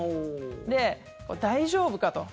で、大丈夫かと。